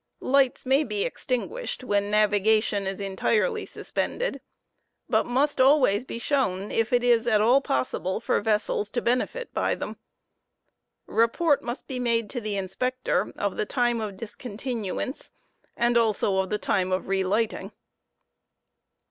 Lights may be ^ suspends extinguished when navigation is entirely suspended, but must always be shown if it is nA ^ fiaUon * at all possible for vessels to benefit by them. Beport* must be made to the Inspector of the time of discontinuance and also of the time of relighting.